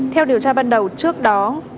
theo điều tra ban đầu trước đó